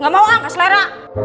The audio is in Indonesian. gak mau ang gak selera